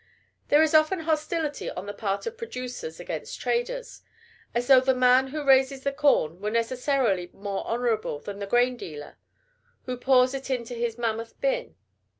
There is often hostility on the part of producers against traders, as though the man who raises the corn were necessarily more honorable than the grain dealer, who pours it into his mammoth bin.